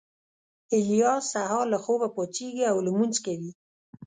الیاس سهار له خوبه پاڅېږي او لمونځ کوي